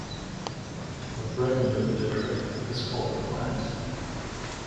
A fragment of detritus is called a clast.